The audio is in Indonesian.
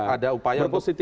ada upaya untuk